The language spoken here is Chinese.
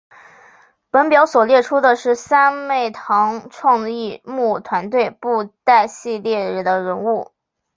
本表所列出的是三昧堂创意木偶团队布袋戏系列的人物。